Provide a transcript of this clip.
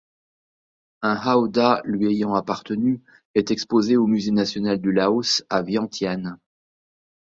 Un howdah lui ayant appartenu est exposé au musée national du Laos à Vientiane.